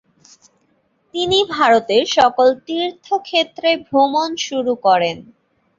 তিনি ভারতের সকল তীর্থ-ক্ষেত্রে ভ্রমণ শুরু করেন।